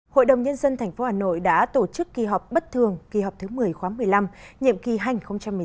hội đồng nhân dân thành phố hà nội đã tổ chức kỳ họp bất thường kỳ họp thứ một mươi khóa một mươi năm nhiệm kỳ hành một mươi sáu hai nghìn hai mươi một